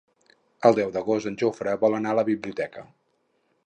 El deu d'agost en Jofre vol anar a la biblioteca.